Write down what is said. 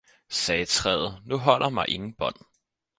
sagde træet, nu holder mig ingen bånd!